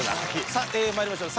さあまいりましょう。